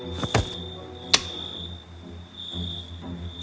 saat bulan keluar dari balik awan